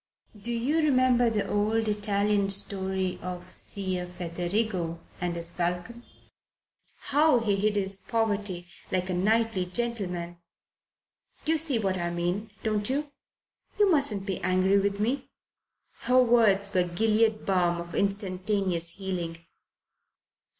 Do you remember the old Italian story of Ser Federigo and his falcon? How he hid his poverty like a knightly gentleman? You see what I mean, don't you? You mustn't be angry with me!" Her words were Gilead balm of instantaneous healing.